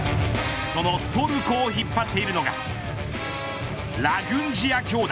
そのトルコを引っ張っているのがラグンジヤ兄弟。